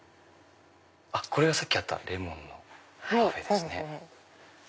これがさっきあった「檸檬のパフェ」ですね。